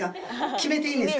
決めていいです。